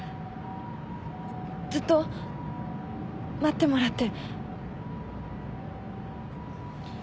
ずっと待ってもらって。